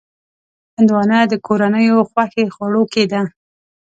هندوانه د کورنیو خوښې خوړو کې ده.